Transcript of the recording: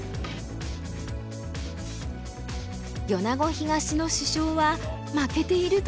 米子東の主将は負けていると勘違い。